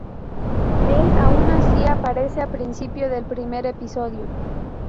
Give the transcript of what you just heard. Él, aun así, aparece a principio del primer episodio.